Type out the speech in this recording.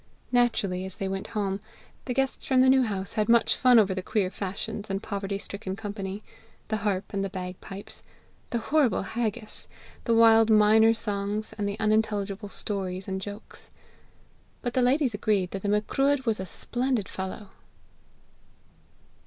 Naturally, as they went home, the guests from the New House had much fun over the queer fashions and poverty stricken company, the harp and the bagpipes, the horrible haggis, the wild minor songs, and the unintelligible stories and jokes; but the ladies agreed that the Macruadh was a splendid fellow.